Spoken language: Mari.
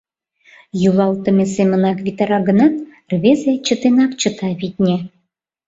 Йӱлалтыме семынак витара гынат, рвезе чытенак чыта, витне.